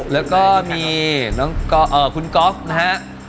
แล้วก็มีคุณก๊อฟนะฮะ